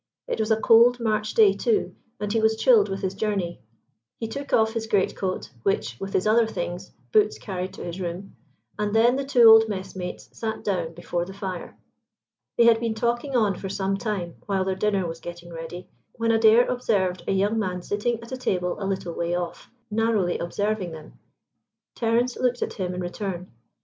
It was a cold March day too, and he was chilled with his journey. He took off his great coat, which, with his other things, Boots carried to his room, and then the two old messmates sat down before the fire. They had been talking on for some time while their dinner was getting ready, when Adair observed a young man sitting at a table a little way off, narrowly observing them. Terence looked at him in return.